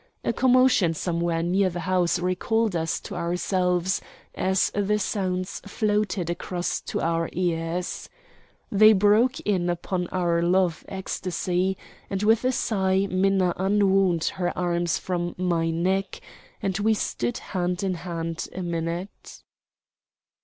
A commotion somewhere near the house recalled us to ourselves as the sounds floated across to our ears. They broke in upon our love ecstasy, and with a sigh Minna unwound her arms from my neck, and we stood hand in hand a minute.